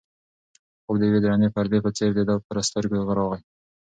خوب د یوې درنې پردې په څېر د ده پر سترګو راغی.